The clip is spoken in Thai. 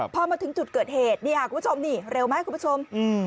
พอมาถึงจุดเกิดเหตุเนี่ยคุณผู้ชมนี่เร็วไหมคุณผู้ชม